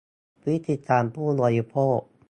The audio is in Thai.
พฤติกรรมผู้บริโภค